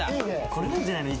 これなんじゃないの？